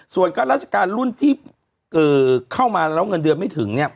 ส่วนข้าราชการรุ่นที่เข้ามาแล้วเงินเดือนไม่ถึงเนี่ย